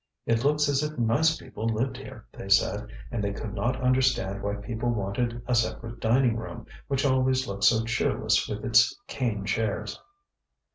ŌĆ£It looks as if nice people lived here, ŌĆØ they said, and they could not understand why people wanted a separate dining room, which always looked so cheerless with its cane chairs.